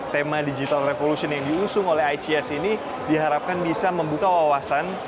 tema digital revolution yang diusung oleh ics ini diharapkan bisa membuka wawasan